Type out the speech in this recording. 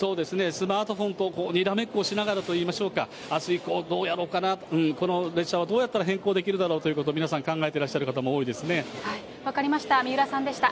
スマートフォンとにらめっこしながらといいましょうか、あす以降、どうやろうかな、この列車はどうやったら変更できるだろうかということを、皆さん分かりました、三浦さんでした。